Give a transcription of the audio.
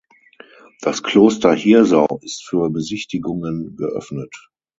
Das Kloster Hirsau ist für Besichtigungen geöffnet.